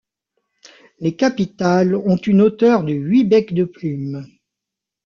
Les capitales ont une hauteur de huit becs de plume.